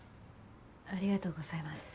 ありがとうございます。